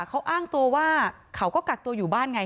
เขาอ้างตัวว่าเขาก็กักตัวอยู่บ้านไง